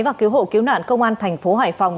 và cứu hộ cứu nạn công an thành phố hải phòng